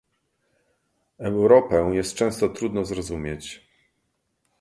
Europę jest często trudno zrozumieć